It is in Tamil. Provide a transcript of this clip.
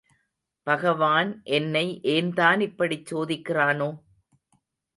பகவான் என்னை ஏன்தான் இப்படிச் சோதிக்கிறானோ?....